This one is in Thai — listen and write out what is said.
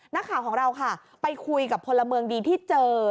นักข่าวของเราค่ะไปคุยกับพลเมืองดีที่เจอ